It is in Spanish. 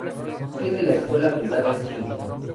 Tiene la escuela privada St.